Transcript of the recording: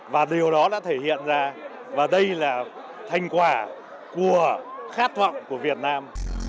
và điều đó đã thể hiện ra và đây là thành quả của khát vọng của việt nam